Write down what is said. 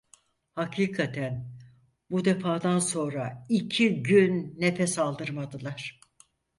Hakikaten, bu defadan sonra iki gün nefes aldırmadılar.